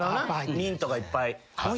ミントがいっぱい。